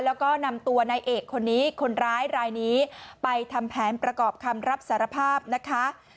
แล้วก็นำตัวนายเอกคนนี้คนร้ายรายนี้ไปทำแผนประกอบคำรับสารภาพนะคะ